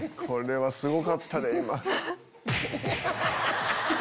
これはすごかったで今。